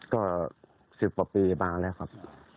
ก็๑๐กว่าปีมาแล้วครับ